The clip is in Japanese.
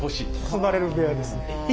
包まれる部屋ですね。